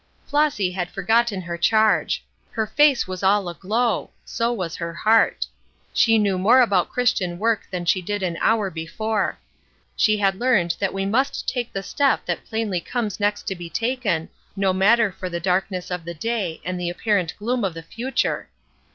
Flossy had forgotten her charge; her face was all aglow; so was her heart. She knew more about Christian work than she did an hour before. She had learned that we must take the step that plainly comes next to be taken, no matter for the darkness of the day and the apparent gloom of the future.